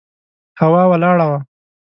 هوا ولاړه وه.